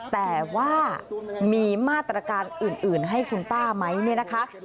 แต่ว่ามีมาตรการอื่นให้คุณป้าไหมเนี่ยนะคะ